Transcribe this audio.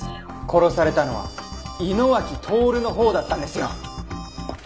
殺されたのは井野脇透のほうだったんですよ！